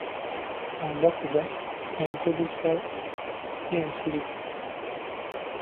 Agafuga enkozesa y’ensirifu.